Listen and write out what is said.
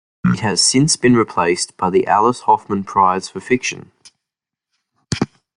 It has since been replaced by the Alice Hoffman Prize for Fiction.